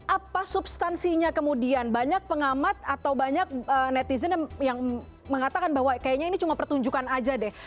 apa substansinya kemudian banyak pengamat atau banyak netizen yang mengatakan bahwa kayaknya ini cuma pertunjukan aja deh